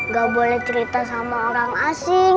gak boleh cerita sama orang asing